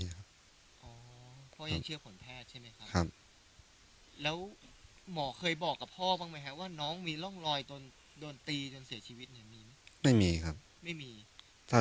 มันน่าจะปกติบ้านเรามีก้านมะยมไหม